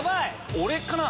俺かな？